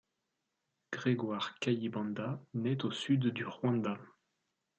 Grégoire Kayibanda naît au sud du Rwanda.